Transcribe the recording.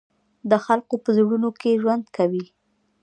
د خلقو پۀ زړونو کښې ژوند کوي،